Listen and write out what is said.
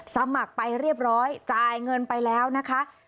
สมัครไปเรียบร้อยจ่ายเงินไปแล้วนะคะ